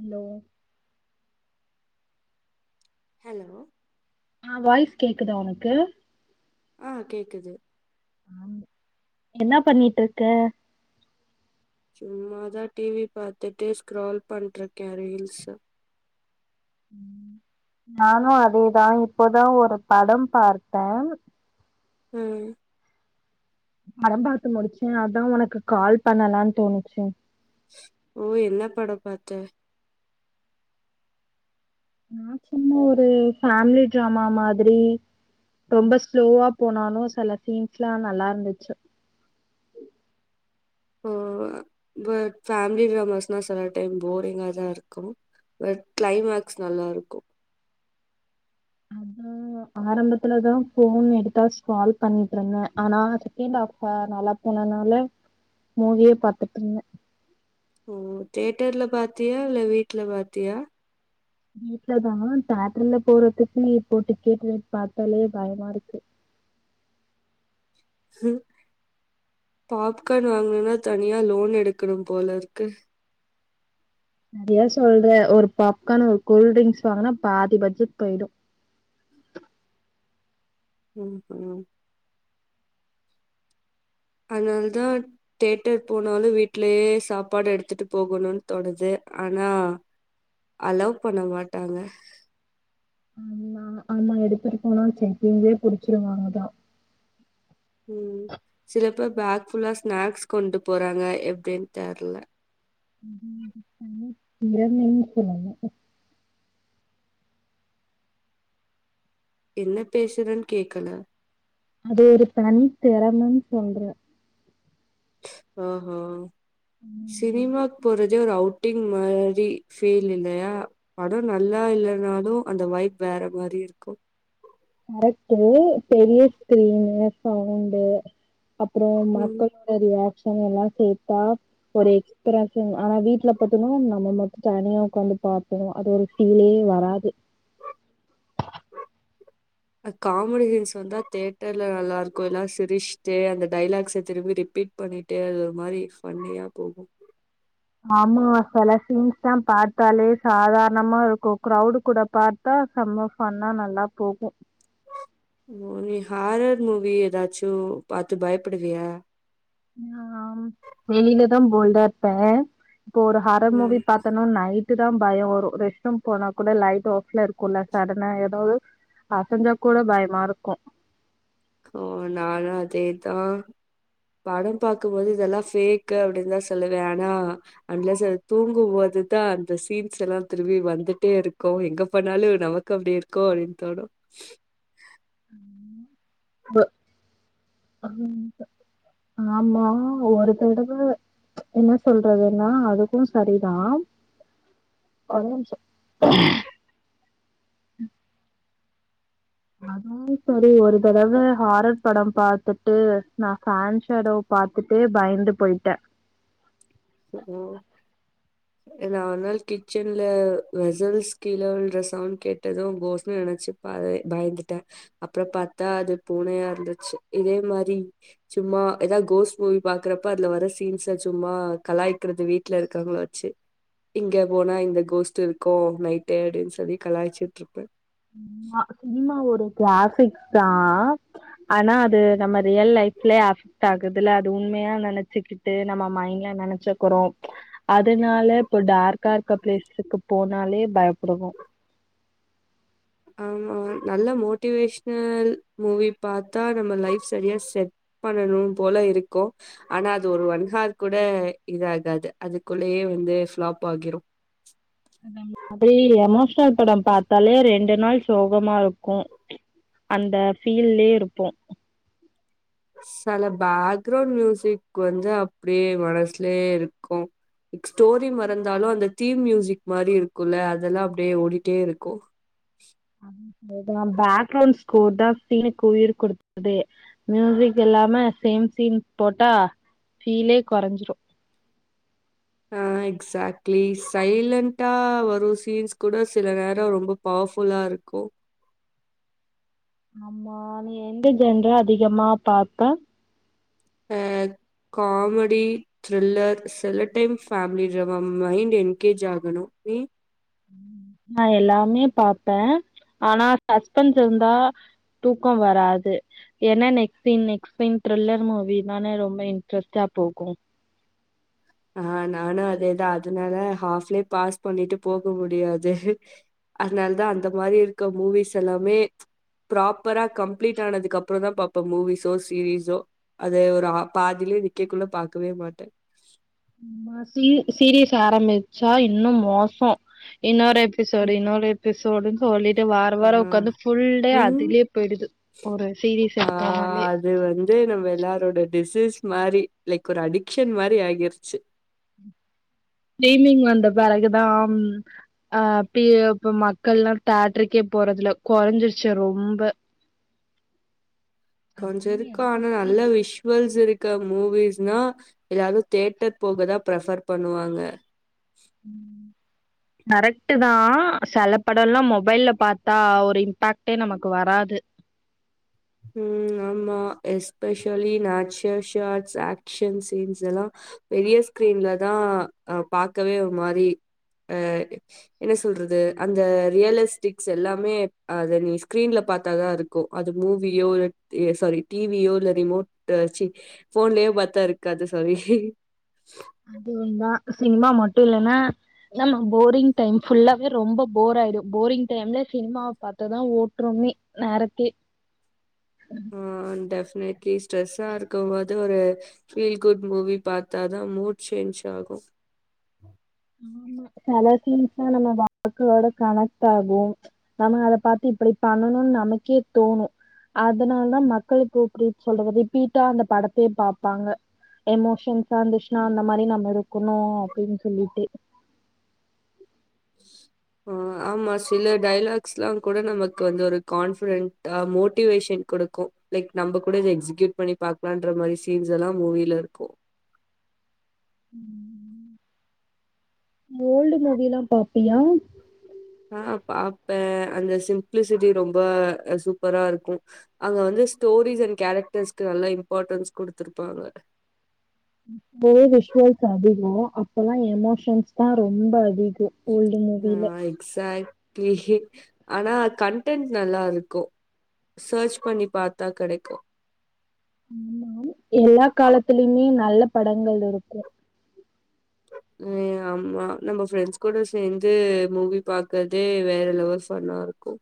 Hello hello ஆஹ் voice கேக்குதா ஒனக்கு ஆஹ் கேக்குது ம் என்ன பண்ணிட்டுருக்க சும்மாதா டிவி பாத்துட்டு ஸ்க்ரால் பண்ட்ருக்கே ரீல்சு ம் நானு அதேதா இப்போதா ஒரு படம் பார்த்தே உம் படம் பாத்து முடிச்சே அதா ஒனக்கு கால் பண்ணலா தோணுச்சு ஓ என்ன படம் பாத்த நா சும்மா ஒரு ஃபேமிலி ட்ராம மாதிரி ரொம்ப ஸ்லோவா போனாலு செல சீன்ஸ்லா நல்லா இருந்துச்சு ஓ பட் ஃபேமிலி ட்ராமாஸ்னா சில டைம் போரிங்காதா இருக்கு பட் கிளைமாக்ஸ் நல்லா இருக்கு அதா ஆரம்பத்துலதா ஃபோன் எடுத்தா ஸ்கரால் பண்ணிட்டுருந்தே ஆனா செகண்ட் ஆஃப்ப நல்லா போனனால மூவியே பாத்துட்டுருந்தே ஓ தேட்டர்ல பாத்தியா இல்ல வீட்ல பாத்தியா வீட்லதானா தேட்டர்ல போறதுக்கு இப்போ டிக்கெட் ரேட் பாத்தாலே பயமாருக்கு பாப்கா வாங்கணுனா தனியா லோன் எடுக்கணு போல இருக்கு அத ஏ சொல்ற ஒரு பாப்கான் ஒரு கூல்ட்ரிங்க்ஸ் வாங்குனா பாதி பட்ஜெட் போயிடு உம் ம் அதனாலதா தேட்டர் போனாலு வீட்லயே சாப்பாடு எடுத்துட்டு போகணுன்னு தோணுது ஆனா அலவ் பண்ண மாட்டாங்க ஆமா ஆமா எடுத்துட்டு போனா செக்கிங்லளே புடிச்சிருவாங்கதா உம் சில ப பேக் ஃபுல்லா ஸ்நாக்ஸ் கொண்டு போறாங்க எப்டின்னு தெர்ல இந்திரா நீங்க சொல்லுங்க என்ன பேசுறதுன்னு கேக்கல அது ஒரு தனி திறமன் சொல்றே ஆஹ் ஹா சினிமாக் போற அதே ஒரு அவுட்டிங் மாரி ஃபீல் இல்லையா படம் நல்லா இல்லனாலு அந்த வைப் வேற மாரி இருக்கு கரெக்டு பெரிய ஸ்கிரீனு சவுண்டு அப்றோ ம் மக்களு நெறையா ஆஹ் எல்லா சேத்தா ஒரு எக்ஸ்பிராசின் ஆனா வீட்டுல பாத்தினா நம்ம மட்டு தனியா உக்காந்து பாப்போ அது ஒரு ஃபீலே வராது காமெடி சீன்ஸ் வந்தா தியேட்டர்ல நல்லா இருக்கு எல்லா சிரிச்ஷ்ட்டு அந்த டைலாக்ஸ திரும்பி ரிப்பீட் பண்ணிட்டு அது ஒரு மாரி ஃபன்னியா போகு ஆமா செல சீன்ஸ்தா பாத்தாலே சாதாரணமா இருக்கு க்ரௌடு கூட பாத்தா செம ஃபண்ணா நல்லா போகு நீ ஹாரர் மூவி ஏதாச்சு பாத்து பயப்படுவியா ஆம் வெளில லா போல்ட்டா இருப்பே இப்போ ஒரு ஹாரர் ம் மூவி பாத்தன நைட் டு தா பய வரு ரெஸ்ட் ரூம் போனா கூட லைட் ஆஃப்ல இருக்குல சடனா ஏதாவது அசஞ்சா கூட பயமா இருக்கு கு நானு அதேதா படம் பாக்கும்போது இதெல்லா ஃபேக்கு அப்டின்னு தா சொல்லுவே ஆனா அன்லஸ் தூங்கும்போதுதா அந்த சீன்ஸ் எல்லா திருபாபி வந்துட்டே இருக்கு எங்க பண்ணாலு நமக்கு அப்டி இருக்கொ அப்டின்னு தோணு ப ஆம்மா ஆமா ஒரு தடவ என்ன சொல்றதுன்னா அதுக்கு சரிதா ஒரே நிமிஷொ அதா சரி ஒரு தடவ ஹாரர் படம் பாத்துட்டு நா ஃபேன் ஷடோவ பாத்துட்டு பயந்து போயிட்டே ஓ நா ஒரு நாள் கிச்சன்ல வெசல்ஸ் கீழவுலற சவுண்ட் கேட்டது கோஸ்ன்னு நெனைச்சு பத பயந்துட்டே அப்பற பாத்தா அது பூனையா இருந்துச்சு இதே மாரி சும்மா ஏதா கோஸ் மூவி பாக்கறப்ப அதுல வர சீன்ஸ்ஸ சும்மா கலாய்கிறது வீட்டுல இருக்கவங்க வச்சு இங்க போனா இந்த கோஸ்ட் இருக்கு நைட் அப்டின்னு சொல்லி கலாயச்சுட்டு இருப்பே சும்மா சினிமா ஒரு கிளாஃபிக்ஸ் தா அ ஆனா அது நம்ம ரியல் லைஃப்லே அஃபெக்ட் ஆகுதுல அது உண்மையா நெனச்சுக்கிட்டு நம்ம மைண்ட்ல நெனச்சுக்குறோ அதனால இப்ப டார்க்கா இருக்க பிளேஸ்க்கு போனாலே பயப்புடுவோ ஆமா நல்ல மோட்டிவேஷனல் மூவி பாத்தா நம்ம லைஃப் சரியா செட் பண்ணணும் போல இருக்கு ஆனா அது ஒரு ஒன்ஹார் கூட இது ஆகாது அதுக்குள்ளயே வந்து ஃபளாப் ஆகிரு அப்டியே எமோஷ்னல் படம் பாத்தாலே ரெண்டு ரெண்டு நாள் சோகமா இருக்கோ அந்த பீல்லயே இருப்போம் செல பேக்ரவுண்ட் மியூசிக் வந்து அப்டியே மனசுலயே இருக்கும் ஸ்டோரி மறந்தாலும் அந்த தீம் மியூசிக் மாரி இருக்கும்ல அதெல்லாம் அப்டியே ஓடிட்டே இருக்கோ ஆமா இந்தா பேக்ரவுண்ட் ஸ்கோர் தா சீனுக்கு உயிர் குடுக்கறதே மியூசிக் இல்லாம சேம் சீன் போட்டா ஃபீல்லே கொறஞ்சிரோ ஆஹ் எக்ஸாட்லி சைலன்டா வரும் சீன்ஸ் கூட சில நேரோ ரொம்ப பவர்ஃபுல்லா இருக்கோ ஆமா நீ எந்த ஜெண்டர் அதிகமா பாப்ப அஹ் காமெடி த்ரில்லர் சில time family remember mind engage ஆகணும் நீ நா எல்லாமே பாப்பே ஆனா சஸ்பென்ஸ் இருந்தா தூக்கம் வராது என்ன நெக்ஸ்ட் நெக்ஸ் சீன் த்ரில்லர் மூவினானே ரொம்ப இன்ட்ரெஸ்டா போகும் ஆஹ் நானு அதேதா அதனால ஹாப்லே பாஸ் பண்ணிட்டு போக முடியாது அதனாலதா அந்த மாரி இருக்க மூவிஸ் எல்லாமே ப்ராப்பரா கம்ளீட் ஆனதுக்கு அப்பறோ தா பாப்பே மூவிஸோ சீரீஸோ அத ஒரு பாதிலயே நிக்கக்குள்ள பாக்கவே மாட்டே நா சீரி சீரிஸ் ஆரம்பிச்சா இன்னு மோசோ இன்னோரு ஓகே சாரி ம். இன்நாளே பெப்சோடன்ட் சாலிட் வார ஆ. வாரோ ஒக்காந்து ஃபுல் டே ம். அதுலயே போயிடுது ஒரு சீரீஸ் ஆ எடுத்தோனாலே அது வந்து நம்ம எல்லாரோட டிசீஸ் மாரி லைக் ஒரு அடிக்ஷன் மாரி ஆகிருச்சு டி வி ங்க வந்த பிறகுதா அஹ் பி இப்ப மக்கள்லா தேட்டர்க்கே போறது இல்ல கொறஞ்சிருச்சு ரொம்ப கொஞ்சோ அப்டின்னு இருக்கோ எனக்கு ஆனா தோணுது நல்ல விஷுவல்ஸ் இருக்க மூவிஸ் னா எல்லாரு தேட்டர் போகதா ப்ரபர் பண்ணுவாங்க ம் கரெக்ட் தா செலப்படோலா மொபைல்ல பாத்தா ஒரு இம்பாக்ட்டே நமக்கு வராது உம் ஆமா especially natural shots action scenes எல்லா பெரிய ஸ்கிரீன்ல தா ஹா பாக்கவே ஒரு மாரி அஹ் என்ன சொல்றது அந்த ரியலிஸ்டிக்ஸ் எல்லாமே அத நீ ஸ்கிரீன்ல பாத்தாதா இருக்கோ அது மூவிலியோ இல்ல சாரி டி வி யோ இல்ல ரிமோட் ச்சி ஃபோன்லயோ பாத்தா இருக்காது சாரி அதுவும் தா சினிமா மட்டும் இல்லன்னா நம்ம போரிங் டைம் ஃபுல்லாவே ரொம்ப போர் ஆயிடும் போரிங் டைம்ல சினிமாவ பாத்ததா ஓட்றோமே நேரத்தே ஆஹ் டெஃப் பனெட்லி ஸ்ட்ரெஸ்ஸா இருக்கும்போது அது ஒரு பீல் குட் மூவி பத்தாதா மூடு சேஞ்ச் ஆகும் செல சீன்ஸ்லாம் நம்ம வாழ்க்கையோட கனெக்ட் ஆகும் நம்ம அத பாத்து இப்படி பண்ணணும்னு நமக்கே தோணும் அதனால தானால மக்கள் இப்போ சொல்றது ரிப்பீட்டா அந்த படத்தையே பாப்பாங்க எமோஷன்ஸா இருந்துச்சுனா அந்த மாரி நம்ம இருக்கணும் அப்டின்னு சொல்லிட்டு ஆமா சில டைலாக்ஸ் எல்லாம் கூட நமக்கு வந்து ஒரு கான்பிடன்ட்ஹி மோட்டிவேஷன் கொடுக்கும் லைக் நம்ம கூட எக்ஸிக்யூட் பண்ணி பாக்கலாம்ற மாரி சீன்ஸ் எல்லாம் மூவில இருக்கோ சொல்லிட்டு ஓல்டு மூவி எல்லா பாப்பியா ஆஹ் பாப்பே அந்த சிம்ப்ளிசிட்டி ரொம்ப சூப்பரா இருக்கும் அங்க வந்து ஸ்டோரிஸ் அண்ட் கேரக்டர்ஸ்க்கு நல்லா இம்பார்ட்டன்ஸ் குடுத்தருப்பாங்க இப்போ விஷுவல்ஸ் அதிகோ அப்பல்லா எமோஷன்ஸ் தான் ரொம்ப அதிகோ ஓல்டு மூவில ஆஹ் எக்ஸ் ஆனா கன்டன்ட் நல்லா இருக்கும் சர்ச் பண்ணி பாத்தா கெடைக்கும் ஆமா எல்லா காலத்துலயுமே நல்ல படங்கள் இருக்கோ ம் ஆமா நம்ம ஃப்ரெண்ட்ஸ் கூட சேந்து மூவி பாக்கறதே வேற லெவல் ஃபன்னா இருக்கும்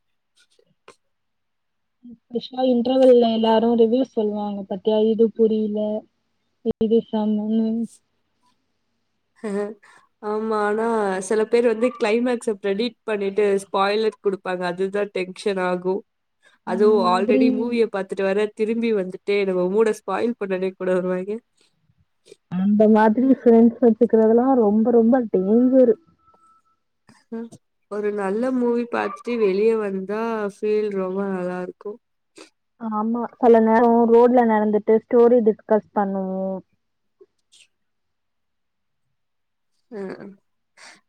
இன்பேஷா இன்டர்வியூல எவ்லாரு ரீவிவ் சொல்லுவாங்க பத்தியா இது புரியில இது செமன்னு ஆஹ் ஆமா ஆனா சில பேர் வந்து கிளைமேக்ஸ ப்ரிடிட் பண்ணிட்டு ஸ்பாய்லட் குடுப்பாங்க அதுதா டென்ஷன் ஆகு அந்த அதுவு மாதிரி ஆல்ரெடி மூவிய பாத்துட்டு வேற திரும்பி வந்துட்டு நம்ம மூட ஸ்பாயில் பண்ணனுனே கூட வருவாங்க அந்த மாதிரி ஃபிரண்ட்ஸ் வெச்சிட் றதுலா ரொம்ப ரொம்ப டேஞ்சரு ம் ஒரு நல்ல மூவி பாத்துட்டு வெளிய வந்தா ஃபீல் ரொம்ப நல்லா இருக்கோ ஆமா செல நேரோ ரோட்ல நடந்துட்டு ஸ்டோரி டிஸ்கஸ் பண்ணுவோ அஹ்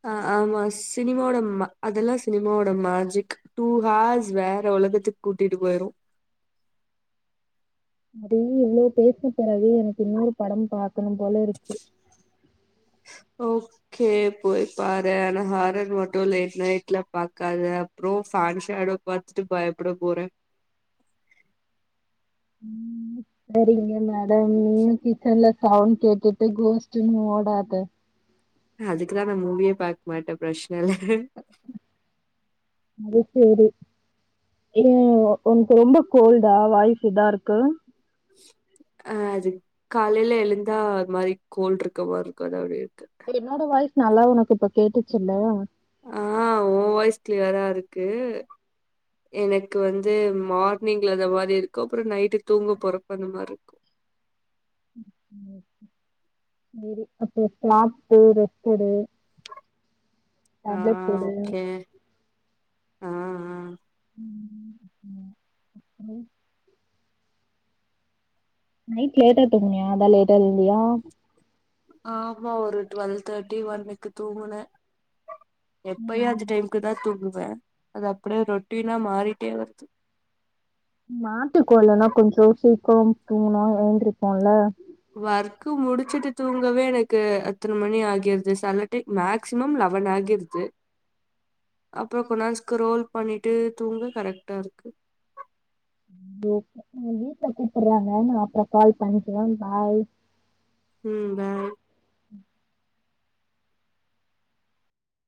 ஆஹ் ஆமா சினிமாவோட மே அதெல்லாம் சினிமாவோட மேஜிக் டூ ஹார்ஸ் வேற ஒலகத்துக்கு கூட்டிட்டு போயிரும் சரி இவ்ளோ பேசின பிறகு எனக்கு இன்னொரு படம் பாக்கணும் போல இருக்கு ஓகே போய் பாரு ஆனா ஹாரர் மட்டும் லேட் நைட்ல பாக்காத அப்புறம் சன் ஷேடோ பாத்துட்டு பயப்பட போற ம் சரிங்க மேடம் நீயும் கிச்சன்ல சவுண்ட் கேட்டுட்டு கோஸ்ட்டுன்னு ஓடாத அதுக்குதான் நான் மூவியே பாக்க மாட்டேன் பிரச்சன இல்ல அது சரி ஏன் ஒனக்கு ரொம்ப கோல்டா வாய்ஸ் இதா இருக்கு அஹ் அது காலையில எலுந்தா ஒரு மாரி கோல்டு் இருக்க மாரி இருக்கும் அதா அப்டி இருக்கு என்னோட வாய்ஸ் நல்லா உனக்கு இப்ப கேட்டுச்சுல்ல ஆஹ் ஓ வாய்ஸ் கிளியரா இருக்கு எனக்கு வந்து மார்னிங்ல அந்த மாரி இருக்கும் அப்புறம் நைட்டு தூங்க போறப்ப அந்த மாரி இருக்கும் ம் சரி அப்புறம் சாப்ட்டு ரெஸ்ட் எடு டேப்லெட் போடு ஆஹ் ஆஹ் உம் உம் ம் நைட் லேட்டா தூங்கனியா அதான் லேட்டா எலந்தயா ஆமா ஒரு டுவெல்வ் தேர்ட்டி ஒன்னுக்கு தூங்குன எப்பயும் ம் அது டைமுக்கு தான் தூங்கு வன் அது அப்டே ரொட்டின்னா மாறிட்டே வருது மாட்டுக்கோ இல்லன்னா கொஞ்சம் சீக்கிரம் தூங்கனா எழுந்திருப்போம் இல்ல ஒர்க்கு முடிச்சுட்டு தூங்கவே எனக்கு அத்தன மணி ஆகிருது சல்லட்டி மேக்சிமம் லெவன் ஆகிருது அப்புறம் கொண் நேரம் ஸ்கரோல் பண்ணிட்டு தூங்க கரெக்டா இருக்கு போ வீட்டுல கூப்படறாங்க நா அப்புறம் கால் பண்றன் பாய் உம் பாய்